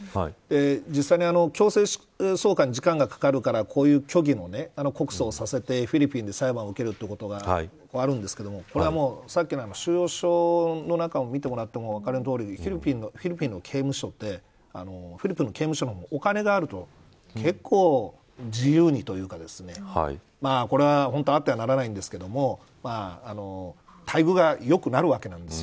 実際に強制送還に時間がかかるからこういう虚偽の告訴をさせてフィリピンで裁判を受けるということがあるんですけどこれは収容所の中を見てもらっても、あのとおりフィリピンの刑務所ってお金があると結構自由にというかこれは、本当はあってはならないんですけれども待遇が良くなるわけなんですよ。